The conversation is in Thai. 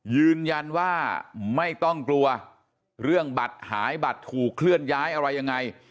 ยืนยันว่าไม่ต้องกลัวเรื่องบัตรหายบัตรถูกเคลื่อนย้ายอะไรยังไง